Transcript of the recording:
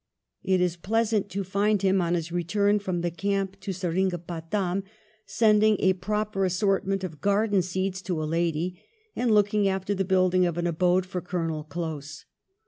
It is pleasant to find him, on his return from the camp to Seringapatam, sending a proper assortment of garden seeds to a lady, and looking after the building of an abode for Colonel Close.